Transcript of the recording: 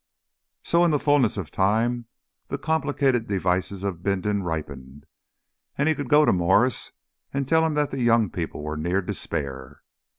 So in the fullness of time the complicated devices of Bindon ripened, and he could go to Mwres and tell him that the young people were near despair.